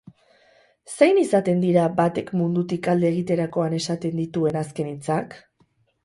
Zein izaten dira batek mundutik alde egiterakoan esaten dituen azken hitzak?